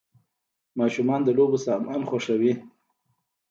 ماشومان د لوبو سامان خوښوي .